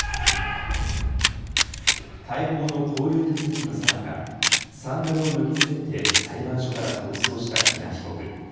逮捕後の勾留手続きのさなか、サンダルを脱ぎ捨てて裁判所から逃走した喜納被告。